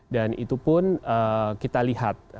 dan itu pun kita lihat